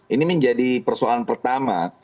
ini menjadi persoalan pertama